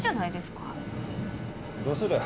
どうする？